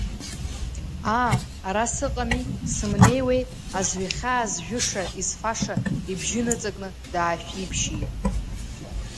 Аа, ара сыҟами, сымнеиуеи, азҩахьаа зжәыша, изфаша, ибжьы ныҵакны даашәиԥшьиит.